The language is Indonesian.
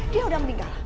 dia udah meninggal